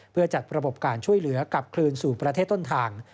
เพื่อจัดระบบการช่วยเหลือกลับคืนสู่ประเทศต้นทาง